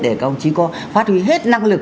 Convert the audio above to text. để các ông chí có phát huy hết năng lực